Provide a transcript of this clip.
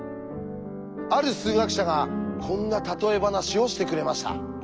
ある数学者がこんな例え話をしてくれました。